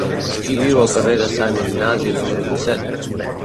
Qui viu al carrer de Sant Ignasi número disset?